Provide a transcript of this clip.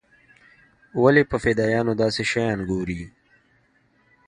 ولې په فدايانو داسې شيان ګوري.